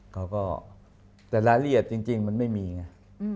เขาก็แต่รายละเอียดจริงมันไม่มีไง